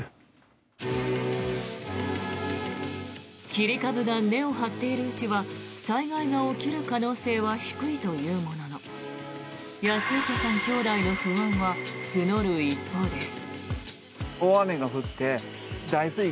切り株が根を張っているうちは災害が起きる可能性は低いというものの安池さん兄弟の不安は募る一方です。